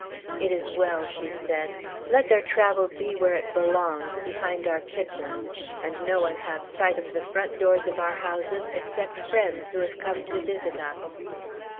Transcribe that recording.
"It is well," she said. "Let their travel be where it belongs, behind our kitchens; and no one have sight of the front doors of our houses, except friends who have come to visit us."